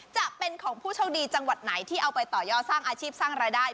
จะเป็นของผู้โชคดีจังหวัดไหนที่เอาไปต่อยอดสร้างอาชีพสร้างรายได้